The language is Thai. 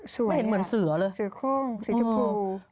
สวยไม่เห็นเหมือนเสือเลยเสือโครงเสือเฉพาะ